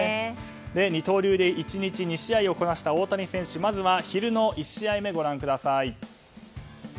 二刀流で１日２試合をこなした大谷選手、まずは昼の１試合目をご覧ください。